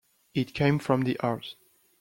It came from the heart.